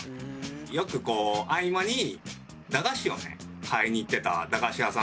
よく合間に駄菓子をね買いに行ってた駄菓子屋さん